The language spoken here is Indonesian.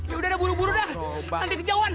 ya udah dah buru buru dah nanti di jauhan